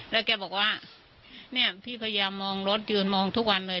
แล้วแกบอกว่าเนี่ยพี่พยายามมองรถยืนมองทุกวันเลย